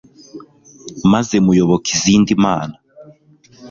maze muyoboka izindi mana